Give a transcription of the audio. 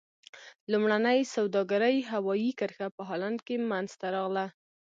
لومړنۍ سوداګرۍ هوایي کرښه په هالند کې منځته راغله.